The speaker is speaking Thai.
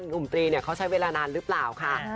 หนุ่มตรีเขาใช้เวลานานหรือเปล่าค่ะ